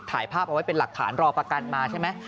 ถ่ายภาพเอาไว้เป็นหลักฐานรอประกันมาใช่ไหม